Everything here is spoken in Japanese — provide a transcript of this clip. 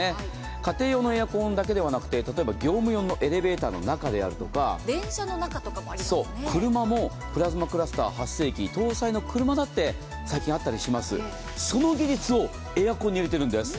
家庭用のエアコンだけではなくて例えば業務用のエレベーターの中であるとか車も、プラズマクラスター発生器搭載の車だって最近あったりします、その技術をエアコンに入れてるんです。